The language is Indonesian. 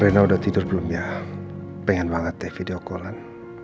reina udah tidur belum ya pengen banget deh video call an